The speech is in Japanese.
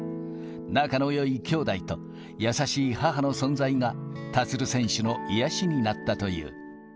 仲のよい兄弟と優しい母の存在が立選手の癒やしになったという。